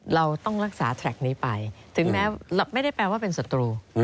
เราต้องรักษาแท็กนี้ไปถึงแม้ไม่ได้แปลว่าเป็นศัตรู